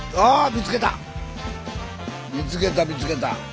見つけた見つけた。